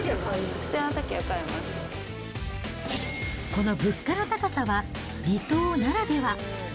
この物価の高さは、離島ならでは。